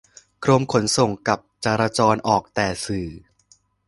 กรมขนส่งกับจราจรออกแต่สื่อ